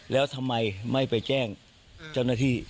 แล้วทำไมไม่ไปแจ้งเจ้าหน้าที่